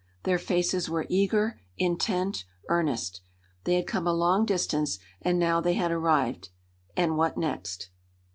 Their faces were eager, intent, earnest. They had come a long distance and now they had arrived. And what next?